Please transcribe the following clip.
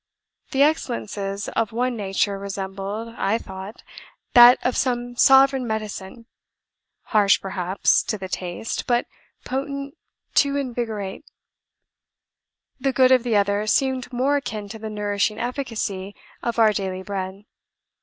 The excellences of one nature resembled (I thought) that of some sovereign medicine harsh, perhaps, to the taste, but potent to invigorate; the good of the other seemed more akin to the nourishing efficacy of our daily bread.